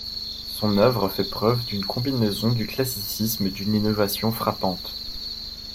Son œuvre fait preuve d’une combinaison du classicisme et d’une innovation frappante.